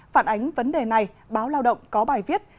phản ánh vấn đề này báo lao động có bài viết